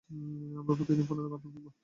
আমরা প্রতিদিন ফোনে কথা বলব।